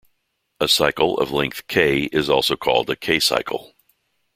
A cycle of length "k" is also called a "k"-cycle.